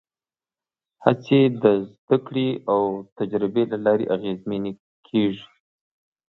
هڅې د زدهکړې او تجربې له لارې اغېزمنې کېږي.